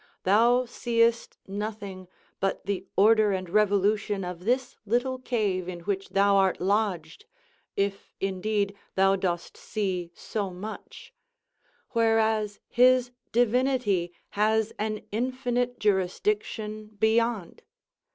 Thou seest nothing but the order and revolution of this little cave in which thou art lodged, if, indeed, thou dost see so much; whereas his divinity has an infinite jurisdiction beyond.